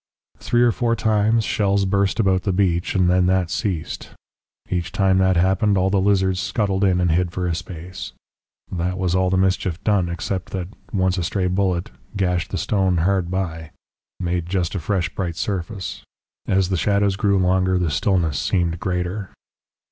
"Three or four times shells burst about the beach, and then that ceased. Each time that happened all the lizards scuttled in and hid for a space. That was all the mischief done, except that once a stray bullet gashed the stone hard by made just a fresh bright surface. "As the shadows grew longer, the stillness seemed greater.